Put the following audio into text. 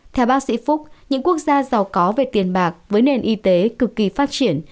theo bác sĩ phúc những quốc gia giàu có về tiền bạc với nền y tế cực kỳ phát triển